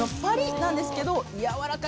なんですけど軟らかい。